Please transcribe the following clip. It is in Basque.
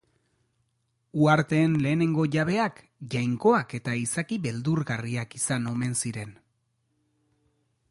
Uharteen lehenengo jabeak jainkoak eta izaki beldurgarriak izan omen ziren.